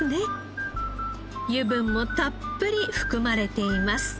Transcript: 油分もたっぷり含まれています。